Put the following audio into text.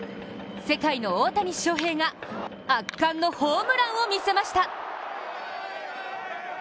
世界の大谷翔平が圧巻のホームランを見せました！